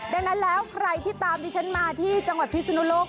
ดังนั้นแล้วใครที่ตามดิฉันมาที่จังหวัดพิศนุโลก